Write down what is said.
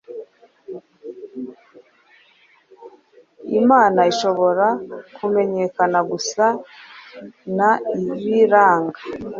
Imana ishobora kumenyekana gusa na Ibiranga